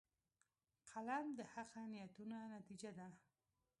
قلم د حقه نیتونو نتیجه ده